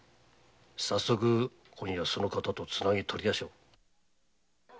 早速今夜その方とつなぎを取りましょう。